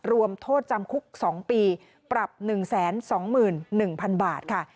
รวมโทษจำคุก๒ปีปรับ๑๒๑๐๐๐บาทค่ะ